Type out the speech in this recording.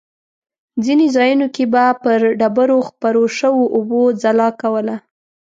ځینې ځایونو کې به پر ډبرو خپرو شوو اوبو ځلا کوله.